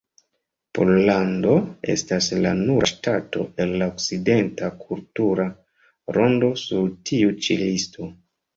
Pollando estas la nura ŝtato el la okcidenta kultura rondo sur tiu ĉi listo.